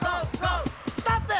「ストップ！」